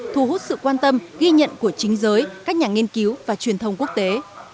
thu hút sự quan tâm ghi nhận của chính giới các nhà nghiên cứu và truyền thông quốc tế